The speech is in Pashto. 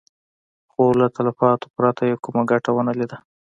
خو له تلفاتو پرته يې کومه ګټه ونه ليده.